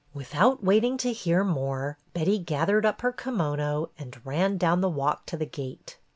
Without waiting to hear more, Betty gath ered up her kimono and ran down the walk to the gate.